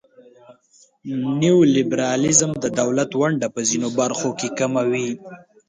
نیولیبرالیزم د دولت ونډه په ځینو برخو کې کموي.